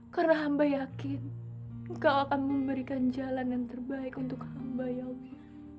karena hamba yakin kau akan memberikan jalan yang terbaik untuk hamba ya